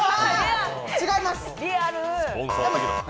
違います！